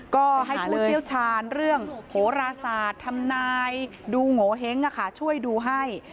ก็ให้ผู้เชี่ยวชาญเรื่องโหราศาสตร์ทำนายดูโงเห้งช่วยดูให้